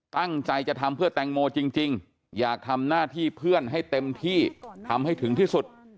ตั้งใจจะทำเพื่อแตงโมจริงอยากทำหน้าที่เพื่อนให้เต็มที่ทำให้ถึงที่สุด